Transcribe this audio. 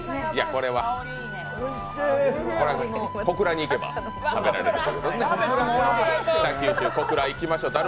これは小倉に行けば食べられるという。